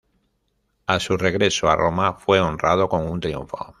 A su regreso a Roma, fue honrado con un triunfo.